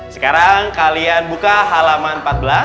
sekarang kalian buka halaman empat belas